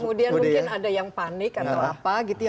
kemudian mungkin ada yang panik atau apa gitu ya